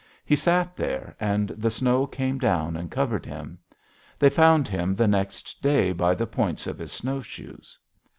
He sat there, and the snow came down and covered him. They found him the next day by the points of his snowshoes.